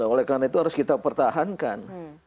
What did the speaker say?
oleh karena itu harus kita pertahankan